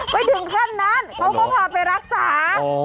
ไม่ถึงขั้นนั้นเขาก็พาไปรักษา